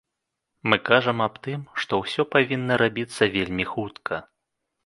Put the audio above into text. Мы кажам аб тым, што ўсё павінна рабіцца вельмі хутка.